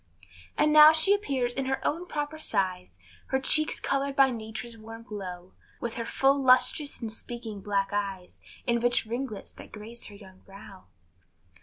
And now she appears in her own proper size, Her cheeks colored by nature's warm glow; With her full lustrous and speaking black eyes, And rich ringlets that grace her young brow.